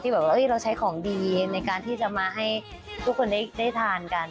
แบบว่าเราใช้ของดีในการที่จะมาให้ทุกคนได้ทานกัน